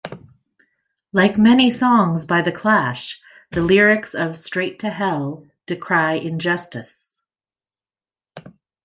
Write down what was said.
Like many songs by the Clash, the lyrics of "Straight to Hell" decry injustice.